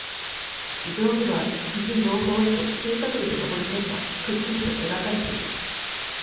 頭上には、右上方へと、急角度でのぼる線が、くっきりと描かれている。